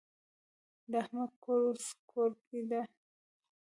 د احمد کور اوس کورګی دی.